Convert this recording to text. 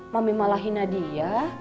mami malah hina dia